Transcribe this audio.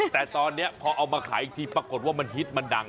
แต่ตอนนี้พอเอามาขายอีกทีปรากฏว่ามันฮิตมันดัง